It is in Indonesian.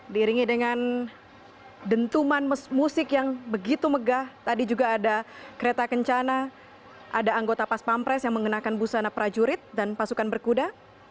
diringi dengan dentuman musik yang begitu megah tadi juga ada kereta kencana ada anggota pas pampres yang mengenakan busana prajurit dan pasukan berkuda